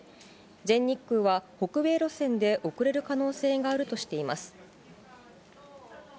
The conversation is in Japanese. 全日空は、北米路線で遅れる可能性があるとしています。